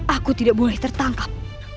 aku tidak boleh tertangkap